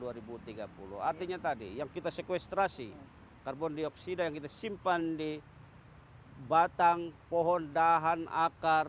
artinya tadi yang kita sequestrasi karbon dioksida yang kita simpan di batang pohon dahan akar